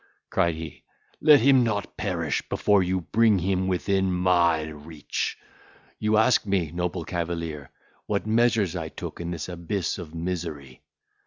cried he, "let him not perish, before you bring him within my reach. You ask me, noble cavalier, what measures I took in this abyss of misery?